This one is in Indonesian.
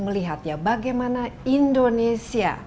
melihat ya bagaimana indonesia